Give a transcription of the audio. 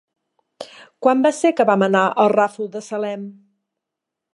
Quan va ser que vam anar al Ràfol de Salem?